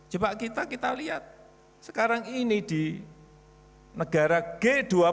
coba kita lihat sekarang ini di negara g dua puluh